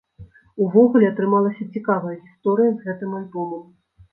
Увогуле, атрымалася цікавая гісторыя з гэтым альбомам.